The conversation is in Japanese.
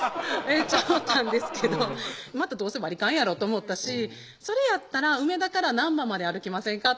めっちゃ思ったんですけどまたどうせ割り勘やろと思ったし「それやったら梅田から難波まで歩きませんか？」